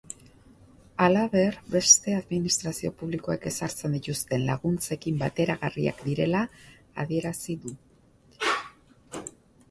Halaber, beste administrazio publikoek ezartzen dituzten laguntzekin bateragarriak direla adierazi du.